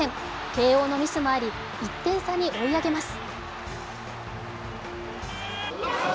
慶応のミスもあり、１点差に追い上げます。